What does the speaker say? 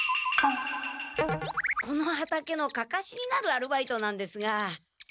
この畑のかかしになるアルバイトなんですが。